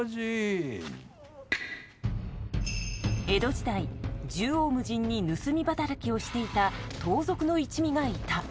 江戸時代縦横無尽に盗み働きをしていた盗賊の一味がいた。